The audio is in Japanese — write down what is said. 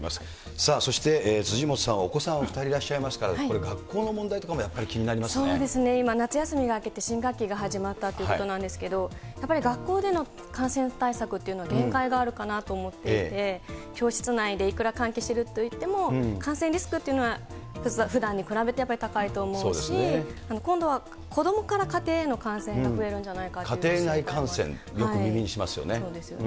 さあ、そして、辻元さんはお子さん、２人いらっしゃいますから、これ、学校の問題とかもやっぱりそうですね、今、夏休みが明けて、新学期が始まったということなんですけど、やっぱり学校での感染対策っていうの、限界があるかなと思っていて、教室内でいくら換気してるといっても、感染リスクっていうのは、ふだんに比べて、やっぱり高いと思うし、今度は子どもから家庭への感染が増えるんじゃないかっていう心配家庭内感染、よく耳にしますそうですよね。